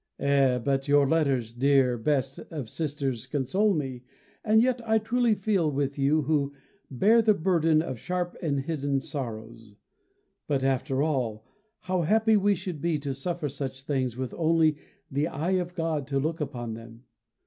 Eh! but your letters, dear, best of sisters, console me, and yet I truly feel with you who bear the burden of sharp and hidden sorrows. But after all, how happy we should be to suffer such things with only the eye of God to look upon them.